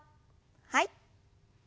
はい。